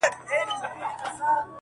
د هندو له کوره هم قران را ووت ,